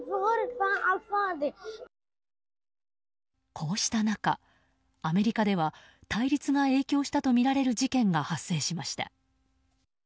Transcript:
こうした中、アメリカでは対立が影響したとみられる事件が発生しました。